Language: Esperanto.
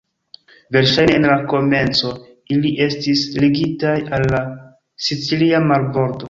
Verŝajne en la komenco ili estis ligitaj al la sicilia marbordo.